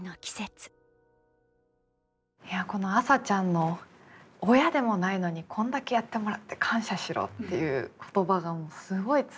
いやこの麻ちゃんの「親でもないのにこんだけやってもらって感謝しろ！」っていう言葉がすごい痛快ですよね。